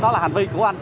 đó là hành vi của anh